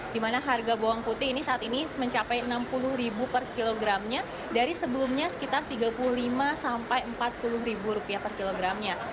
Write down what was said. di mana harga bawang putih ini saat ini mencapai rp enam puluh per kilogramnya dari sebelumnya sekitar rp tiga puluh lima sampai rp empat puluh per kilogramnya